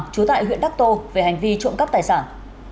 trú tại huyện đắc tô về hành vi trộm cắp tài sản